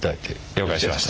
了解しました。